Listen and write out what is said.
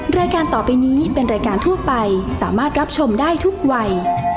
รายการต่อไปนี้เป็นรายการทั่วไปสามารถรับชมได้ทุกวัย